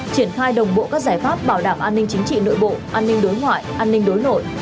triển khai đồng bộ các giải pháp bảo đảm an ninh chính trị nội bộ an ninh đối ngoại an ninh đối nội